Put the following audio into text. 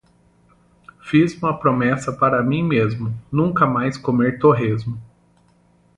Fiz uma promessa para mim mesmo, nunca mais comer torresmo.